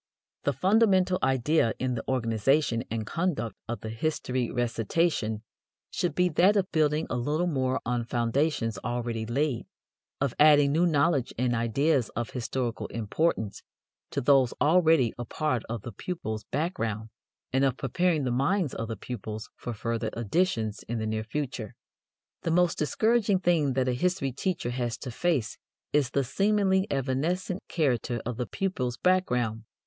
The fundamental idea in the organization and conduct of the history recitation should be that of building a little more on foundations already laid, of adding new knowledge and ideas of historical importance to those already a part of the pupils' background, and of preparing the minds of the pupils for further additions in the near future. The most discouraging thing that a history teacher has to face is the seemingly evanescent character of the pupils' background.